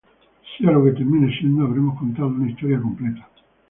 Sea lo que termine siendo, habremos contado una historia completa".